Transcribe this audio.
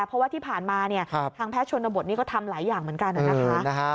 เพราะว่าที่ผ่านมาเนี่ยทางแพทย์ชนบทนี้ก็ทำหลายอย่างเหมือนกันนะคะ